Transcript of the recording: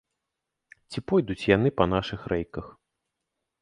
Ці пойдуць яны па нашых рэйках?